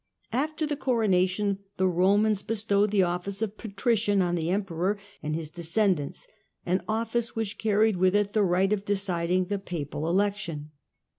After the coronation the Romans 1046^'^°^' bestowed the office of Patrician on the Emperor and his descendants, an office which carried with it the right of deciding the papal election.